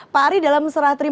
pak ari dalam serah terima